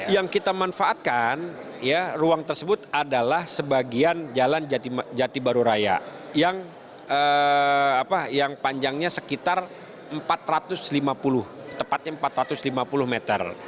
yang kita manfaatkan ruang tersebut adalah sebagian jalan jati baru raya yang panjangnya sekitar empat ratus lima puluh tepatnya empat ratus lima puluh meter